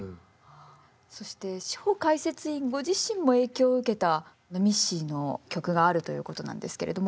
そしてシホかいせついんご自身も影響を受けたミッシーの曲があるということなんですけれども。